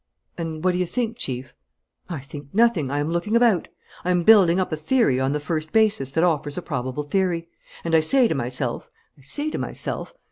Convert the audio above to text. "And what do you think, Chief?" "I think nothing. I am looking about. I am building up a theory on the first basis that offers a probable theory. And I say to myself ... I say to myself